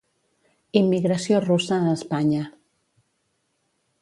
Immigració russa a Espanya.